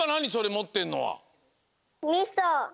もってんのは。